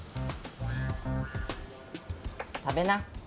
食べな。